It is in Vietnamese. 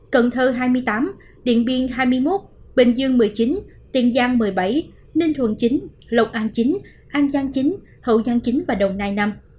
cần thơ hai mươi tám điện biên hai mươi một bình dương một mươi chín tiền giang một mươi bảy ninh thuận chín lộc an chín an giang chín hậu giang chín và đồng nai năm